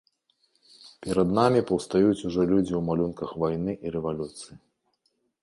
Перад намі паўстаюць ужо людзі ў малюнках вайны і рэвалюцыі.